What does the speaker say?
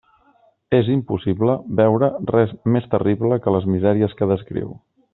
És impossible veure res més terrible que les misèries que descriu.